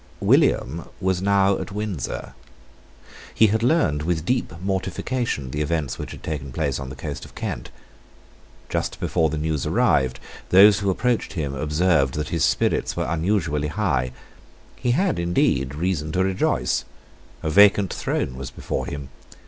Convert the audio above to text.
William was now at Windsor. He had learned with deep mortification the events which had taken place on the coast of Kent. Just before the news arrived, those who approached him observed that his spirits were unusually high. He had, indeed, reason to rejoice. A vacant throne was before him.